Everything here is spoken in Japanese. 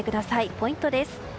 ポイントです。